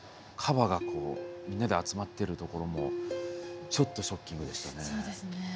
カバがこうみんなで集まってるところもちょっとショッキングでしたね。